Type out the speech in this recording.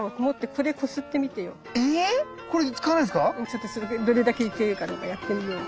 ちょっとそれでどれだけいけるかどうかやってみよう。